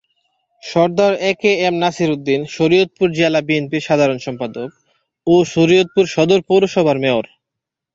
Sardar A K M Nasir Uddin Shariatpur জেলা বিএনপির সাধারণ সম্পাদক ও শরীয়তপুর সদর পৌরসভার মেয়র।